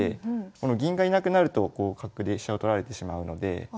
この銀がいなくなると角で飛車を取られてしまうので。